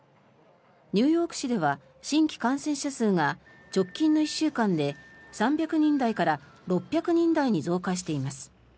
ニューヨーク市では新規感染者数が直近の１週間で３００人台から６００人台に増加しています。